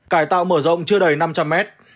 cải tạo mở rộng chưa đầy năm trăm linh mét